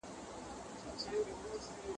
انا په ډېرې بېړې سره د ماشوم خواته ورغله.